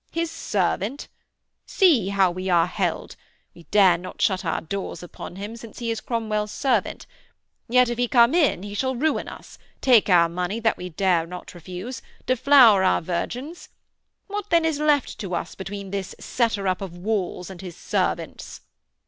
'His servant? See how we are held we dare not shut our doors upon him since he is Cromwell's servant, yet if he come in he shall ruin us, take our money that we dare not refuse, deflower our virgins.... What then is left to us between this setter up of walls and his servants?'